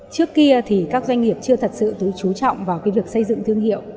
trước kia thì các doanh nghiệp chưa thật sự chú trọng vào việc xây dựng thương hiệu